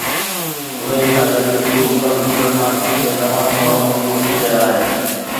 انهي سان گڏ، اي بک ڪمپيوٽرن مارڪيٽ ۾ تمام گهڻو مقبول ٿي رهيا آهن